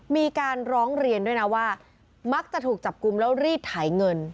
มีการร้องเรียนด้วยนะว่ามักจะถูกจับกลุ่มแล้วรีดไถเงิน